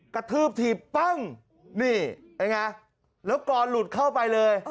กระทืบถีบปั้งนี่ไอ้งั้นแล้วก่อนหลุดเข้าไปเลย